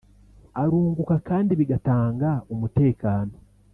arunguka kandi bigatanga umutekano